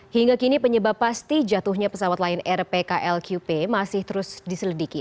hingga kini penyebab pasti jatuhnya pesawat lion air pkl qp masih terus diselediki